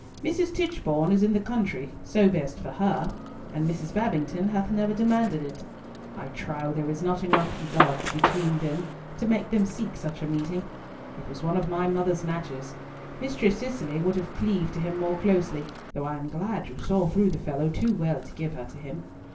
"Mrs. Tichborne is in the country—so best for her—and Mrs. Babington hath never demanded it. I trow there is not love enough between them to make them seek such a meeting. It was one of my mother's matches. Mistress Cicely would have cleaved to him more closely, though I am glad you saw through the fellow too well to give her to him.